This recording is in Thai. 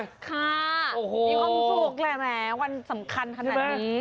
มีความสุขแหละแหมวันสำคัญขนาดนี้